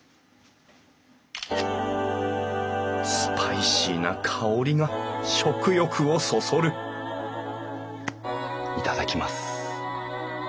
スパイシーな香りが食欲をそそる頂きます。